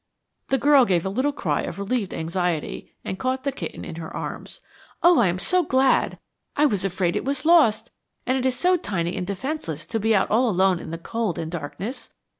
The girl gave a little cry of relieved anxiety, and caught the kitten in her arms. "Oh, I am so glad! I was afraid it was lost, and it is so tiny and defenseless to be out all alone in the cold and darkness.